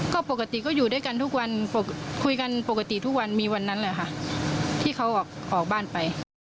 ก็ปกติก็อยู่ด้วยกันทุกวันคุยกันปกติทุกวันมีวันนั้นแหละค่ะที่เขาออกบ้านไป